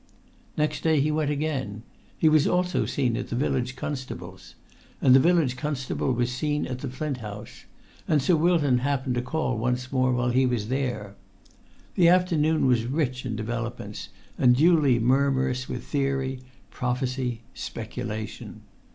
Next day he went again; he was also seen at the village constable's; and the village constable was seen at the Flint House; and Sir Wilton happened to call once more while he was there. The afternoon was rich in developments, and duly murmurous with theory, prophecy, speculation.